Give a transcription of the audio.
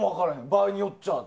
場合によっては。